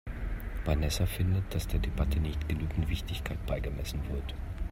Vanessa findet, dass der Debatte nicht genügend Wichtigkeit beigemessen wird.